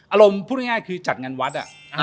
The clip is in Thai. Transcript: อารมณ์พูดง่ายคือจัดงานวัดอะ